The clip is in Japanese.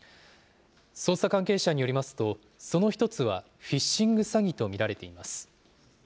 捜査関係者によりますと、その一つは、フィッシング詐欺と見られています。